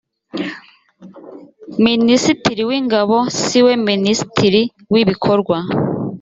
minisitiri w ‘ingabo siwe minisitiri w ‘ibikorwa .